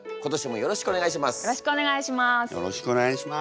よろしくお願いします。